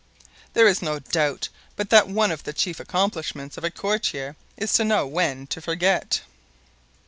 "There is no doubt but that one of the chief accomplishments of a courtier is to know when to forget."